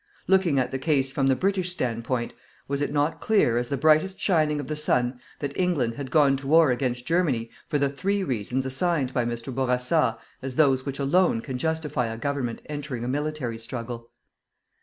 Looking at the case from the British standpoint, was it not clear as the brightest shining of the sun that England had gone to war against Germany for the three reasons assigned by Mr. Bourassa as those which alone can justify a Government entering a military struggle.